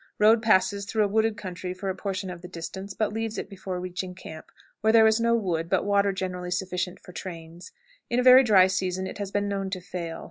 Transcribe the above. Road passes through a wooded country for a portion of the distance, but leaves it before reaching camp, where there is no wood, but water generally sufficient for trains. In very dry seasons it has been known to fail.